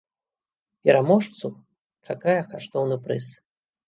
Пераможцу чакае каштоўны прыз.